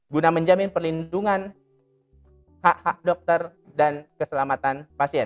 guna menjamin perlindungan hak hak dokter dan keselamatan pasien